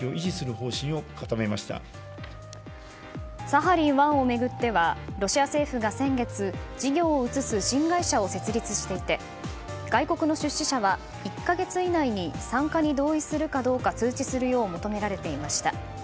サハリン１を巡ってはロシア政府が先月事業を移す新会社を設立していて外国の出資者は１か月以内に参加に同意するかどうか通知するよう求められていました。